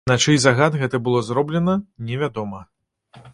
На чый загад гэта было зроблена, невядома.